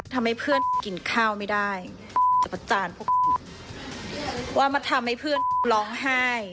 ทำให้เพื่อนกินข้าวไม่ได้จะประจานพวกว่ามาทำให้เพื่อนร้องไห้